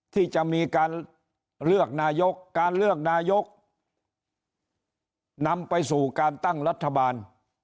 ที่จะมีการเลือกนายกการเลือกนายกนำไปสู่การตั้งรัฐบาล